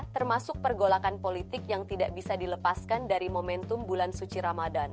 termasuk pergolakan politik yang tidak bisa dilepaskan dari momentum bulan suci ramadan